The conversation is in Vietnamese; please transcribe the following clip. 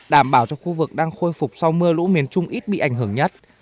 đảm bảo cho khu vực đang khôi phục sau mưa lũ miền trung ít bị ảnh hưởng nhất